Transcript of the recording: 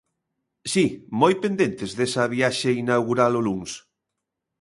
Si, moi pendentes desa viaxe inaugural o luns.